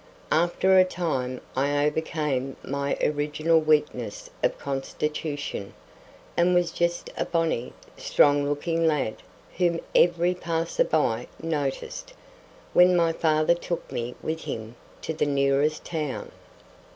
After a time, I overcame my original weakness of constitution, and was just a bonny, strong looking lad whom every passer by noticed, when my father took me with him to the nearest town.